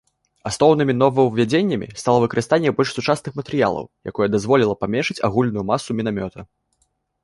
Асноўнымі новаўвядзеннямі стала выкарыстанне больш сучасных матэрыялаў, якое дазволіла паменшыць агульную масу мінамёта.